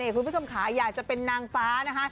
คุณผู้ชมค่ะอยากจะเป็นนางฟ้านะคะ